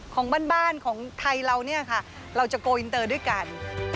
ของบ้านของไทยเราเนี่ยค่ะเราจะโกลอินเตอร์ด้วยกัน